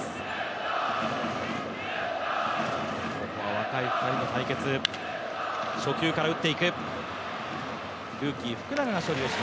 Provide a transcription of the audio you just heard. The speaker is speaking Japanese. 若い２人の対決、初球から打っていく。